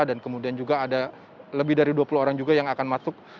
dan kemudian juga ada lebih dari dua puluh orang juga yang akan masuk